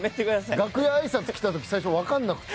楽屋あいさつ来た時最初わからなくて。